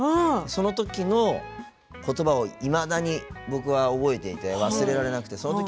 その時の言葉をいまだに僕は覚えていて忘れられなくて。